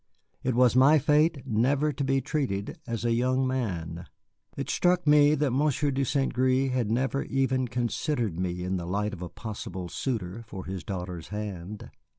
It was my fate never to be treated as a young man. It struck me that Monsieur de St. Gré had never even considered me in the light of a possible suitor for his daughter's hand.